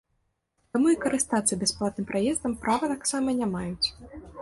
Таму і карыстацца бясплатным праездам права таксама не маюць.